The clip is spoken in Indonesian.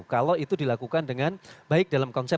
kalau itu dilakukan dengan baik dalam konsep